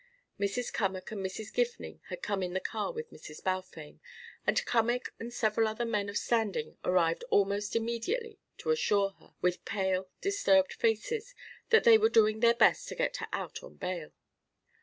Mrs. Cummack and Mrs. Gifning had come in the car with Mrs. Balfame, and Cummack and several other men of standing arrived almost immediately to assure her, with pale disturbed faces, that they were doing their best to get her out on bail.